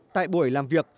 tại buổi làm việc